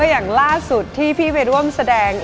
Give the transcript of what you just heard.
อย่างล่าสุดที่พี่ไปร่วมแสดง